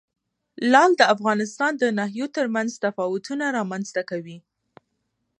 لعل د افغانستان د ناحیو ترمنځ تفاوتونه رامنځ ته کوي.